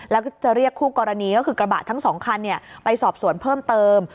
แล้วก็จะเรียกคู่กรณีก็คือกระบะทั้งสองคันไปสอบสวนเพิ่มเติม